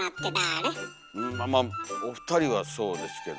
まあお二人はそうですけども。